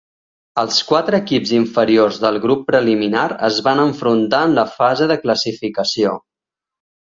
Els quatre equips inferiors del grup preliminar es van enfrontar en la fase de classificació.